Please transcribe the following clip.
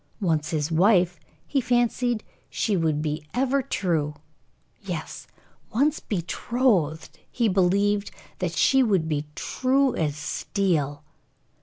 Once his wife, he fancied she would be ever true. Yes, once betrothed, he believed that she would be true as steel.